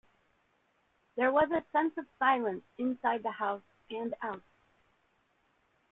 There was a sense of silence inside the house and out.